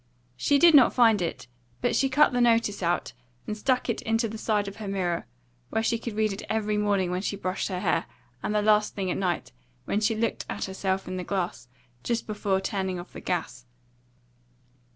She did not find it, but she cut the notice out and stuck it into the side of her mirror, where she could read it every morning when she brushed her hair, and the last thing at night when she looked at herself in the glass just before turning off the gas.